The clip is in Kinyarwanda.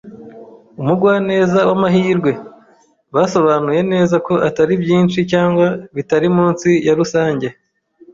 "Umugwaneza w'amahirwe" basobanuye neza ko atari byinshi cyangwa bitari munsi ya rusange